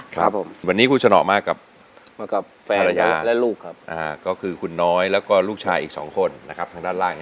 ครับผมวันนี้คุณชนะมากับแฟนและลูกครับก็คือคุณน้อยแล้วก็ลูกชายอีก๒คนนะครับทางด้านล่าง